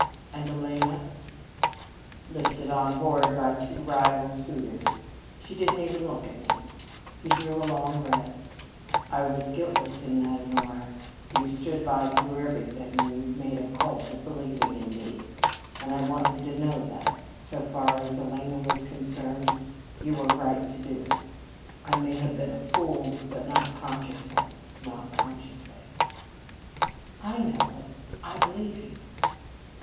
"And Elena?" "Lifted on board by two rival suitors. She didn't even look at me." He drew a long breath. "I was guiltless in that, Honora. You've stood by through everything, and you've made a cult of believing in me, and I want you to know that, so far as Elena was concerned, you were right to do it. I may have been a fool but not consciously not consciously." "I know it. I believe you."